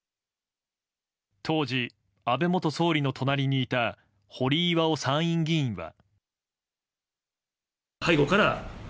当時、安倍元総理の隣にいた堀井巌参院議員は。